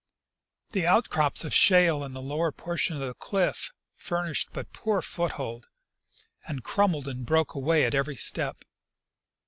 The outcrops of shale in the lower portion of the cliff furnished but poor foothold, and crumbled and broke away at every step.